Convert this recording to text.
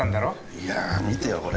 いや見てよこれ。